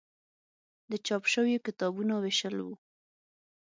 د چاپ شویو کتابونو ویشل و.